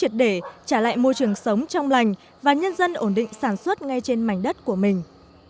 trường sống trong lành và nhân dân ổn định sản xuất ngay trên mảnh đất của mình